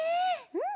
うん！